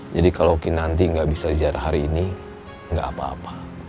jadi kalau kinanti gak bisa ziarah hari ini gak apa apa